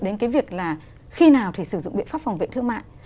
đến cái việc là khi nào thì sử dụng biện pháp phòng vệ thương mại